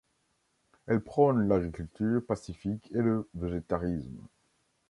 Elle prône l'agriculture pacifique et le végétarisme.